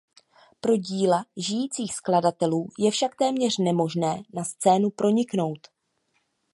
Pro díla žijících skladatelů je však téměř nemožné na scénu proniknout.